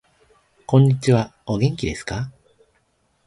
こんにちは。お元気ですか。